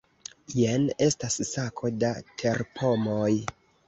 Jen estas sako da terpomoj.